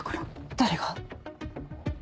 誰が？